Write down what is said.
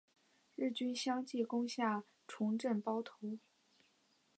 日军相继攻下重镇包头。